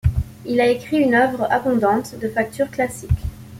Il a écrit une œuvre abondante, de facture classique.